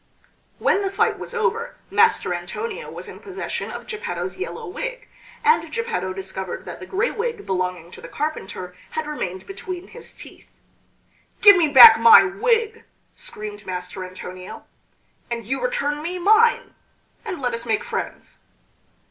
When the fight was over Master Antonio was in possession of Geppetto's yellow wig, and Geppetto discovered that the gray wig belonging to the carpenter had remained between his teeth. "Give me back my wig," screamed Master Antonio. "And you return me mine, and let us make friends."